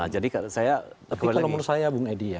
jadi kalau menurut saya bung edi ya